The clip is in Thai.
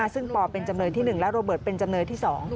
ซึ่งปเป็นจำเลยที่๑และโรเบิร์ตเป็นจำเลยที่๒